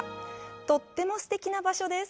とってもすてきな場所です。